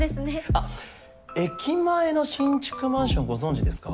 あっ駅前の新築マンションご存じですか？